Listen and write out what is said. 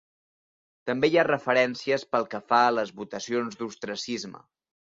També hi ha referències pel que fa a les votacions d'ostracisme.